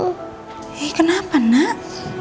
eh kenapa nak